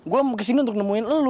gua kesini untuk nemuin elu